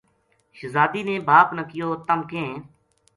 شہزادی نے باپ نا کہیو " تم کہیں